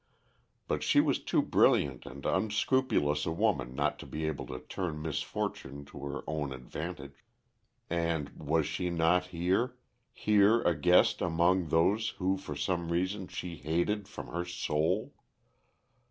But she was too brilliant and unscrupulous a woman not to be able to turn misfortune to her own advantage. And was she not here here a guest among those who for some reason she hated from her soul?